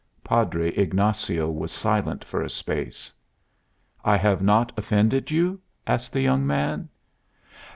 Padre Ignacio was silent for a space. "I have not offended you?" asked the young man.